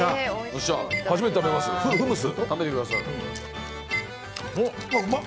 初めて食べます、フムス。